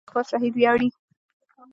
پښتون په خپل شهید ویاړي.